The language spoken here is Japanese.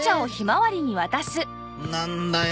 なんだよ？